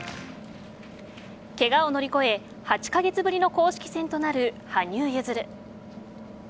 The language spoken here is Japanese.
けがを乗り越え８カ月ぶりの公式戦となる羽生結弦。